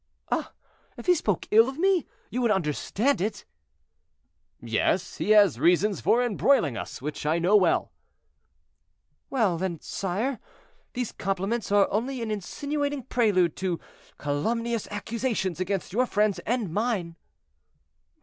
"Ah! if he spoke ill of me, you would understand it?" "Yes; he has reasons for embroiling us, which I know well." "Well, then, sire, these compliments are only an insinuating prelude to calumnious accusations against your friends and mine."